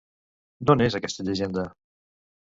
D'on és aquesta llegenda?